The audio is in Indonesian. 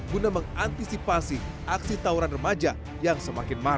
guna mengantisipasi aksi tawuran remaja yang semakin marah